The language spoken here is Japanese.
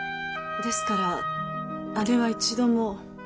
ですから姉は一度も。